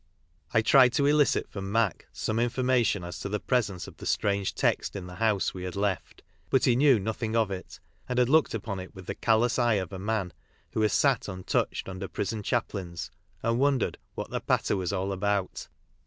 I tried to elicit from Mac some information as to the presence of the strange text in the house we had left, but he knew no thing of it, and had looked upon it with the callous eye of a man who has sat untouched under prison chaplains and wondered what " the patter was all about."